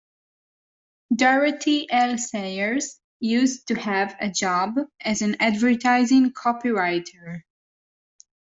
Dorothy L Sayers used to have a job as an advertising copywriter